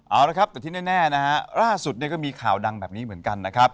เอาละครับแต่ที่แน่นะฮะล่าสุดเนี่ยก็มีข่าวดังแบบนี้เหมือนกันนะครับ